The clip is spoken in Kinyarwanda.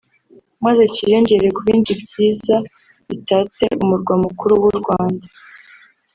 maze cyiyongere ku bindi byiza bitatse Umurwa Mukuru w’u Rwanda